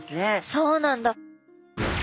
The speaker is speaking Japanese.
そうなんだ。